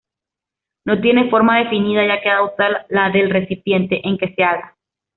No tiene forma definida, ya que adopta la del recipiente en que se haga.